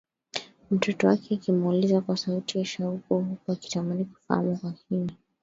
mtoto wake akimuuliza kwa sauti ya shauku huku akitaka Kufahamu kwa kina